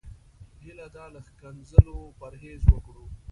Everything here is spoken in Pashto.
هيله ده له ښکنځلو پرهېز وکړو.